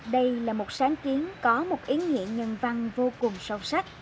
đây là một sáng kiến có một ý nghĩa nhân văn vô cùng sâu sắc